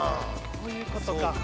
そういうことか。